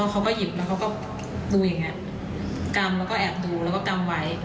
เขาก็บอกว่าอ๋อสองไฟพอดีรถมันยังไม่ไป